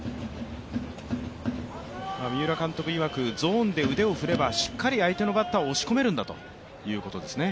三浦監督いわく、ゾーンで腕を振ればしっかり相手のバッターを押し込めるんだということですね。